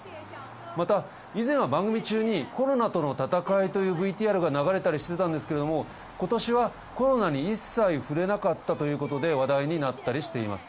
また、以前は番組中に、コロナとの闘いというＶＴＲが流れたりしてたんですが、ことしはコロナに一切触れなかったということで、話題になったりしています。